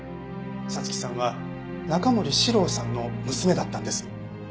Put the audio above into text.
彩月さんは中森司郎さんの娘だったんです。